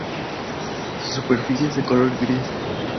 Su superficie es de color gris.